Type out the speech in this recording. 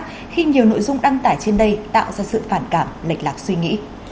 khi nhiều nội dung đăng tải trên đây tạo ra sự phản cảm lệch lạc suy nghĩ